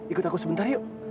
ikut aku sebentar yuk